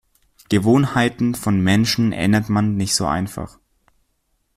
Gewohnheiten von Menschen ändert man nicht so einfach.